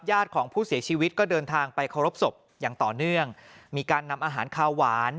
ของผู้เสียชีวิตก็เดินทางไปเคารพศพอย่างต่อเนื่องมีการนำอาหารคาวหวาน